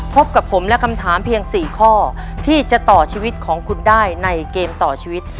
พบกับผมและคำถามเพียง๔ข้อที่จะต่อชีวิตของคุณได้ในเกมต่อชีวิต